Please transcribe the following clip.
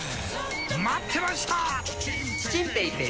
待ってました！